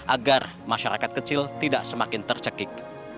agar masyarakat kecil tidak semakin tercekik